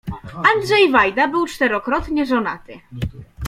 Andrzej Wajda był czterokrotnie żonaty.